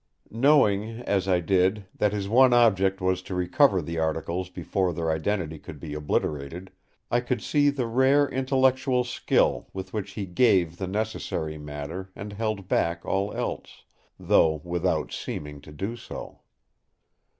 Knowing, as I did, that his one object was to recover the articles before their identity could be obliterated, I could see the rare intellectual skill with which he gave the necessary matter and held back all else, though without seeming to do so.